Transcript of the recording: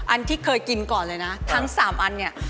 อันที่เคยกินก่อนเลยนะทั้ง๓อันเนี่ย